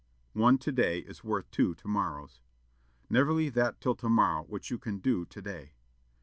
"One to day is worth two to morrows." "Never leave that till to morrow which you can do to day."